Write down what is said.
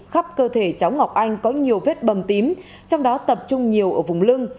khắp cơ thể cháu ngọc anh có nhiều vết bầm tím trong đó tập trung nhiều ở vùng lưng